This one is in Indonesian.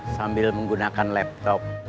sambil menggunakan laptop